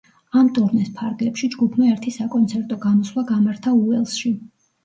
ამ ტურნეს ფარგლებში ჯგუფმა ერთი საკონცერტო გამოსვლა გამართა უელსში.